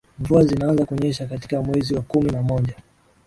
mvua zinaanza kunyesha katika mwezi wa kumi na moja